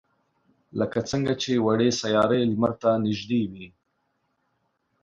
لکه څنگه چې وړې سیارې لمر ته نږدې وي.